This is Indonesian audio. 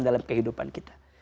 dalam kehidupan kita